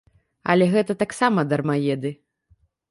Але гэта таксама дармаеды.